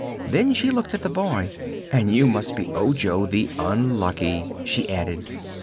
Then she looked at the boy. "And you must be Ojo the Unlucky," she added.